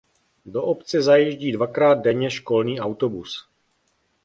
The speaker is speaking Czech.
Do obce zajíždí dvakrát denně školní autobus.